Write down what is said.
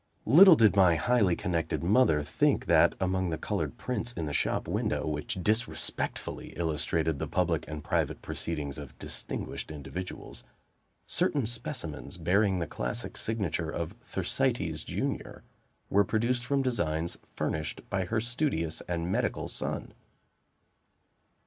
Little did my highly connected mother think that, among the colored prints in the shop window, which disrespectfully illustrated the public and private proceedings of distinguished individuals, certain specimens bearing the classic signature of "Thersites Junior," were produced from designs furnished by her studious and medical son.